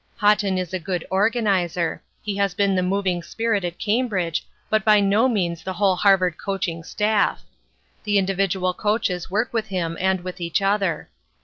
"Haughton is a good organizer. He has been the moving spirit at Cambridge but by no means the whole Harvard coaching staff. The individual coaches work with him and with each other.